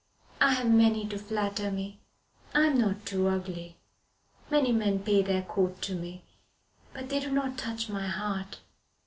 I have many to flatter me. I am not too ugly. Many men pay their court to me, but they do not touch my heart.